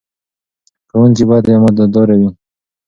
ښوونکي باید امانتدار وي.